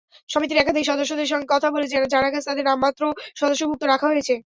সমিতির একাধিক সদস্যের সঙ্গে কথা বলে জানা গেছে, তাঁদের নামমাত্র সদস্যভুক্ত রাখা হয়েছে।